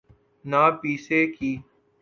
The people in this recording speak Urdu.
نہ پیسے کی۔